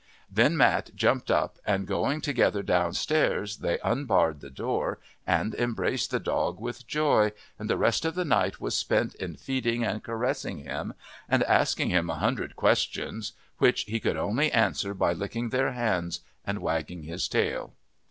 Then Mat jumped up, and going together downstairs they unbarred the door and embraced the dog with joy, and the rest of the night was spent in feeding and caressing him, and asking him a hundred questions, which he could only answer by licking their hands and wagging his tail.